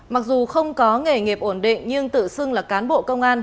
mặc dù không có nghề nghiệp ổn định nhưng tự xưng là cán bộ công an